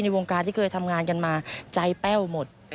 วงการที่เคยทำงานกันมาใจแป้วหมด